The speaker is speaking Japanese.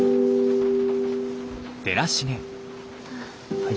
はい。